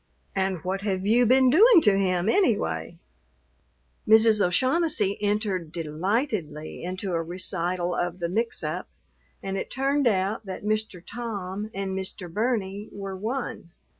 And what have you been doing to him, anyway?" Mrs. O'Shaughnessy entered delightedly into a recital of the "mixup," and it turned out that Mr. Tom and Mr. Burney were one.